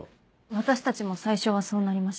私たちも最初はそうなりました。